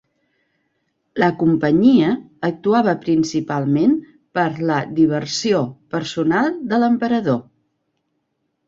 La companyia actuava principalment per la diversió personal de l'emperador.